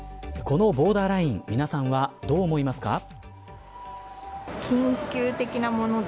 このボーダーライン皆さんはどう思いますか。